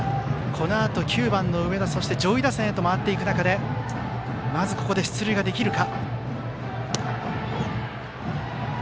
このあと９番の上田、そして上位打線へと回っていく中でまずここで出塁ができるか。